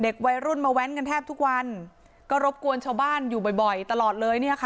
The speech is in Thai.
วัยรุ่นมาแว้นกันแทบทุกวันก็รบกวนชาวบ้านอยู่บ่อยบ่อยตลอดเลยเนี่ยค่ะ